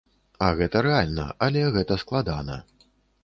А гэта рэальна, але гэта складана.